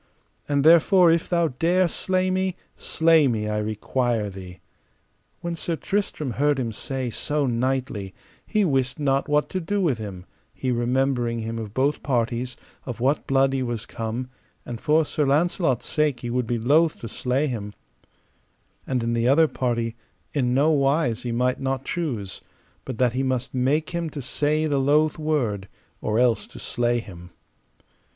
And therefore if thou dare slay me, slay me, I require thee. When Sir Tristram heard him say so knightly, he wist not what to do with him; he remembering him of both parties, of what blood he was come, and for Sir Launcelot's sake he would be loath to slay him; and in the other party in no wise he might not choose, but that he must make him to say the loath word, or else to slay him.